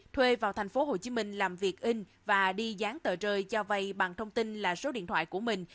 thuê vào thành phố hồ chí minh làm việc in và đi dán tờ rơi cho vai bằng thông tin là số điện thoại của mình